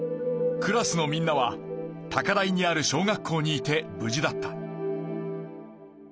クラスのみんなは高台にある小学校にいて無事だった。